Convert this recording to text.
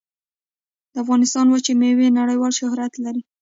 د افغانستان وچې میوې نړیوال شهرت لري